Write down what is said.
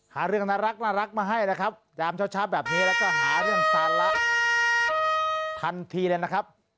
หาเรื่องน่ารักมาให้นะครับยามเช้าแบบนี้แล้วก็หาเรื่องสาระทันทีเลยนะครับ